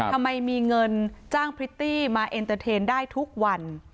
ทำไมมีเงินจ้างพริตตี้มาเอ็นเตอร์เทนได้ทุกวัน